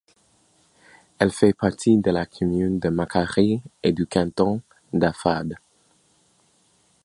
Elle fait partie de la commune de Makary et du canton d'Afade.